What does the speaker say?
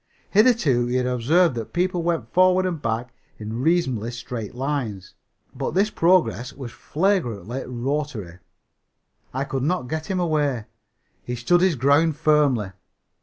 Hitherto he had observed that people went forward and back in reasonably straight lines, but this progress was flagrantly rotary. I could not get him away. He stood his ground firmly.